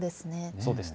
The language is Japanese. そうですね。